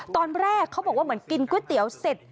ตอนแรกเขาบอกว่าเหมือนกินก๋วยเตี๋ยวเสร็จ